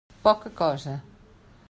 Poca cosa.